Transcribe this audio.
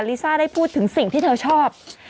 ลิซ่าได้พูดถึงสิ่งที่เธอชอบ